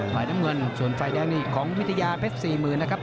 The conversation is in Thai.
ไฟน้ำเงินส่วนไฟแดงนี้ของวิทยาเพศ๔๐๐๐๐นะครับ